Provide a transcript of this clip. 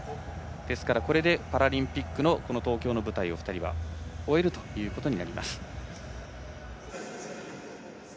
これでパラリンピックの東京の舞台を２人は終えることになります。